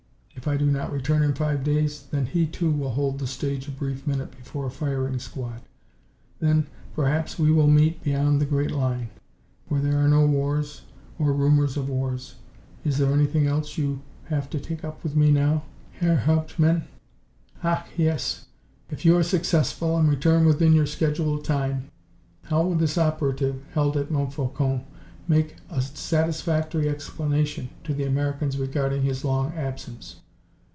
If I do not return in five days, then he too will hold the stage a brief minute before a firing wall. Then, perhaps we will meet beyond the Great Line where there are no wars or rumors of wars. Is there anything else you have to take up with me now, Herr Hauptmann?" "Ach, yes! If you are successful, and return within your scheduled time, how will this operative, held at Montfaucon, make a satisfactory explanation to the Americans regarding his long absence?"